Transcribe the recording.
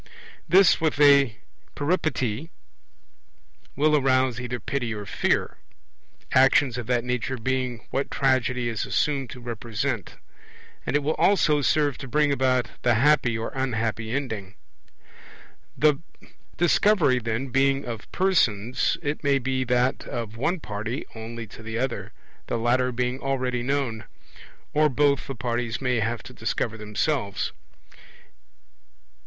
This, with a Peripety, will arouse either pity or fear actions of that nature being what Tragedy is assumed to represent; and it will also serve to bring about the happy or unhappy ending. The Discovery, then, being of persons, it may be that of one party only to the other, the latter being already known; or both the parties may have to discover themselves.